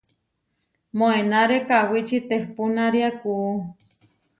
Moenáre kawíči tehpúnaria kuú.